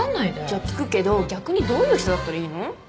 じゃあ聞くけど逆にどういう人だったらいいの？